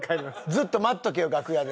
ずっと待っとけよ楽屋で。